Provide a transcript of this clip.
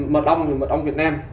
mật ong thì mật ong việt nam